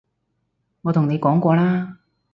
我同你講過啦